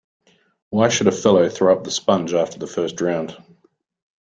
Why should a fellow throw up the sponge after the first round.